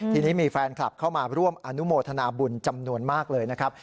ทีนี้มีแฟนคลับเข้ามาร่วมอนุโมทนาบุญจำนวนมากเลยนะครับ